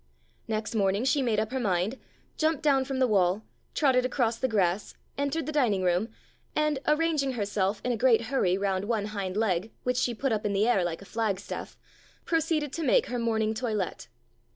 Next morning she made up her mind, jumped down from the wall, trotted across the grass, entered the dining room, and, arranging herself in a great hurry round one hind leg, which she put up in the air like a flagstaff, pro ceeded to make her morning toilet.